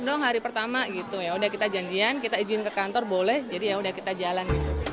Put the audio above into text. sudah hari pertama yaudah kita janjian kita izin ke kantor boleh jadi yaudah kita jalan